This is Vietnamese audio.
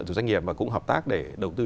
từ doanh nghiệp và cũng hợp tác để đầu tư